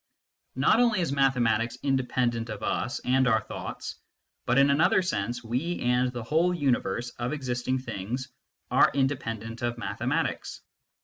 Not only is mathematics independent of us and our thoughts, but in another sense we and the whole universe of existing things are independent of mathematics.